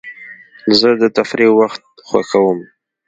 زه د تفریح وخت خوښوم.